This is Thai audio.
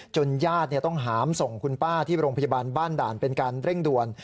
ญาติต้องหามส่งคุณป้าที่โรงพยาบาลบ้านด่านเป็นการเร่งด่วน